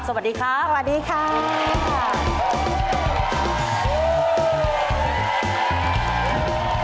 สวัสดีครับสวัสดีครับสวัสดีครับสวัสดีครับ